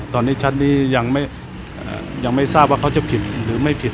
ตอนนี้ชั้นนี้ยังไม่ทราบว่าเขาจะผิดหรือไม่ผิด